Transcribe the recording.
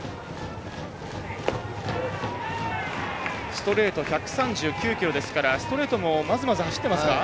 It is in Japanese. ストレート、１３９キロですからストレートも、まずまず走ってますか。